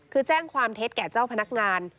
คือแจ้งความเท็จแก่เจ้าพนักงาน